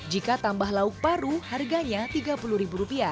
jika tambah lauk paru harganya tiga puluh ribu rupiah